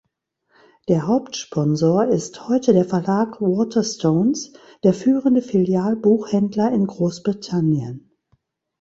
Der Hauptsponsor ist heute der Verlag Waterstone’s, der führende Filial-Buchhändler in Großbritannien.